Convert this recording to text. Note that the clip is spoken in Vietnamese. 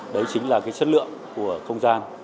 đấy chính là cái chất lượng của không gian